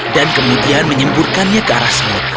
dan kemudian menyempurkannya ke arah semut